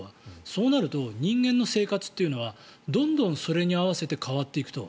そうなると人間の生活というのはどんどんそれに合わせて変わっていくと。